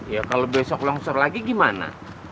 ya kalau besok longsor lagi gimana